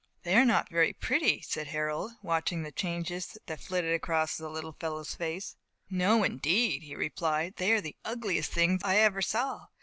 "They are not very pretty," said Harold, watching the changes that flitted across the little fellow's face. "No, indeed," he replied; "they are the ugliest things I ever saw.